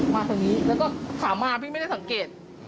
ทางนี้แล้วก็ถามมาพี่ไม่ได้สังเกต